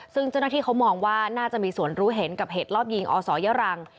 ซึ่งเจ้าหน้าที่เขามองว่าน่าจะมีส่วนรู้เห็นกับเหตุรอบยิงอศยรัง